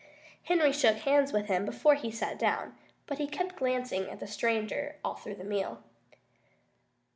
Henry shook hands with him before he sat down, but he kept glancing at the stranger all through the meal.